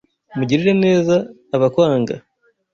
Mugirire neza abakwanga.